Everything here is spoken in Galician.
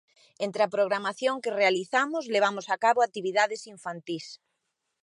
Entre a programación que realizamos, levamos a cabo actividades infantís.